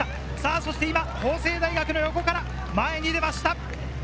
そして今、法政大学の横から前に出ました。